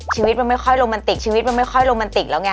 ชีวิตมันไม่ค่อยโรแมนติกชีวิตมันไม่ค่อยโรแมนติกแล้วไง